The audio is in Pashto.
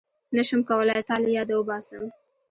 نشم کولای تا له ياده وباسم